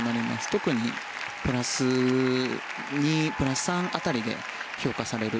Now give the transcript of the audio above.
特にプラス２、プラス３辺りで評価される